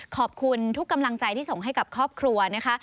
ขอบคุณทุกกำลังใจที่ส่งให้กับครอบครัวนะคะ